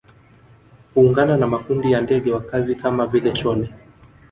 Huungana na makundi ya ndege wakazi kama vile chole